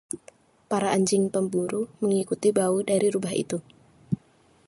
Para anjing pemburu mengikuti bau dari rubah itu.